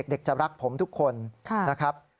เด็กจะรักผมทุกคนนะครับ